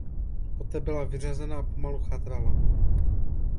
Poté byla vyřazena a pomalu chátrala.